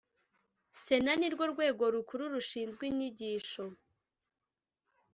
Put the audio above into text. Sena nirwo rwego Rukuru rushinzwe inyigisho